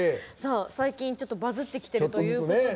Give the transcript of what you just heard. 最近、ちょっとバズってきてるということで。